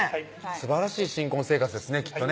すばらしい新婚生活ですねきっとね